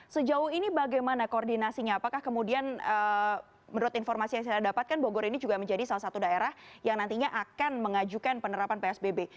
sejauh ini bagaimana koordinasinya apakah kemudian menurut informasi yang saya dapatkan bogor ini juga menjadi salah satu daerah yang nantinya akan mengajukan penerapan psbb